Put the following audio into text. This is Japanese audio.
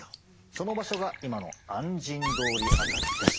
その場所が今の按針通り辺りです。